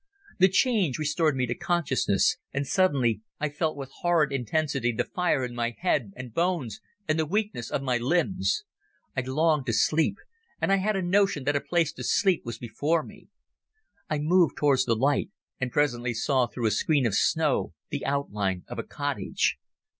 The change restored me to consciousness, and suddenly I felt with horrid intensity the fire in my head and bones and the weakness of my limbs. I longed to sleep, and I had a notion that a place to sleep was before me. I moved towards the light and presently saw through a screen of snow the outline of a cottage.